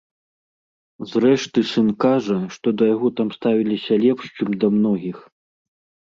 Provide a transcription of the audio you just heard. Зрэшты, сын кажа, што да яго там ставіліся лепш, чым да многіх.